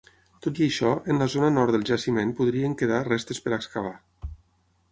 Tot i això, en la zona Nord del Jaciment podrien quedar restes per excavar.